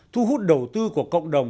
thu hút đầu tư của cộng đồng